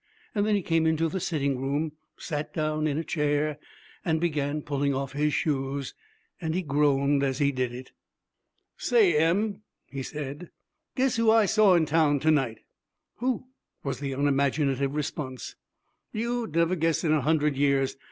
Then he came into the sitting room, sat down in a chair, and began pulling off his shoes. He groaned as he did it. 'Say, Em,' he said, 'guess who I saw in town to night?' 'Who?' was the unimaginative response. 'You'd never guess in a hundred years.